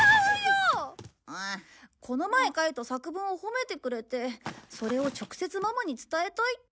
この前書いた作文を褒めてくれてそれを直接ママに伝えたいって。